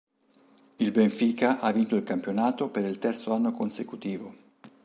Il Benfica ha vinto il campionato per il terzo anno consecutivo.